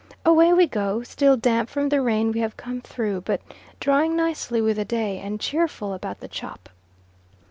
Away we go, still damp from the rain we have come through, but drying nicely with the day, and cheerful about the chop.